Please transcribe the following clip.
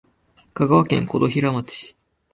香川県琴平町